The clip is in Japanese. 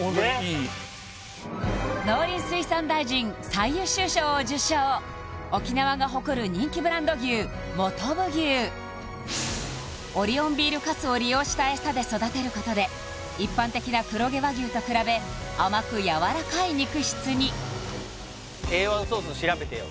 農林水産大臣最優秀賞を受賞沖縄が誇る人気ブランド牛もとぶ牛オリオンビール粕を利用したエサで育てることで一般的な黒毛和牛と比べ甘くやわらかい肉質にＡ１ソース調べてよ